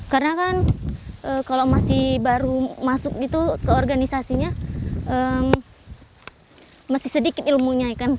karena kan kalau masih baru masuk gitu ke organisasinya masih sedikit ilmunya kan